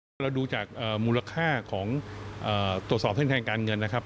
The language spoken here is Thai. เราดูจากมูลค่าของตรวจสอบเส้นทางการเงินนะครับ